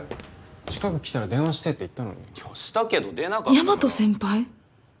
近く来たら電話してって言ったのにしたけど出なかったから大和先輩！？